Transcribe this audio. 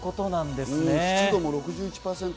湿度も６１％。